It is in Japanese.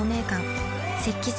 「雪肌精」